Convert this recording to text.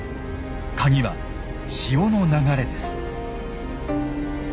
カギは潮の流れです。